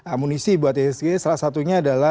amunisi buat isg salah satunya adalah